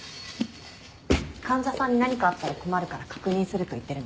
患者さんに何かあったら困るから確認すると言ってるんです。